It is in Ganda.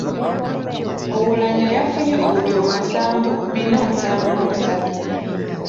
Oulanyah yafunye obululu kasanvu bina nsanvu mu busatu.